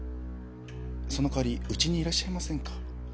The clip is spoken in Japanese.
その代わりうちにいらっしゃいませんか？